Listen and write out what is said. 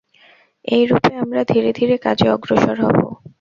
এইরূপে আমরা ধীরে ধীরে কাজে অগ্রসর হব।